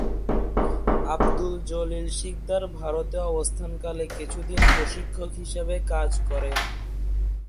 আবদুল জলিল শিকদার ভারতে অবস্থানকালে কিছুদিন প্রশিক্ষক হিসেবে কাজ করেন।